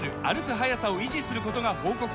速さを維持することが報告されています